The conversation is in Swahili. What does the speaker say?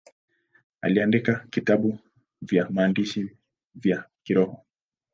Aliandika vitabu vya maisha ya kiroho.